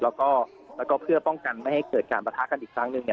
แล้วก็เพื่อป้องกันไม่ให้เกิดการประทะกันอีกครั้งหนึ่ง